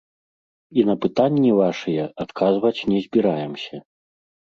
І на пытанні вашыя адказваць не збіраемся.